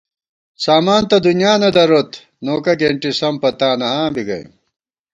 سامان تہ دُنیا نہ دروت ، نوکہ گېنٹِی سَم پتانہ آں بی گئیم